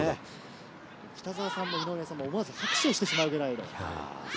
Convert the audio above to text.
北澤も井上さんも思わず拍手をしてしまう。